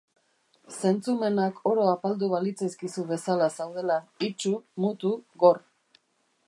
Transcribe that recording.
Zentzumenak oro apaldu balitzaizkizu bezala zaudela, itsu, mutu, gor.